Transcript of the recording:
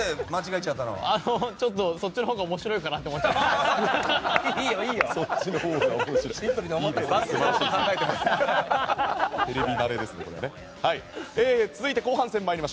ちょっとそっちのほうが面白いかなと思っちゃいました。